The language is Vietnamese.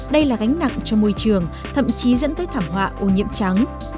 đây là gánh nặng cho môi trường thậm chí dẫn tới thảm họa ô nhiễm trắng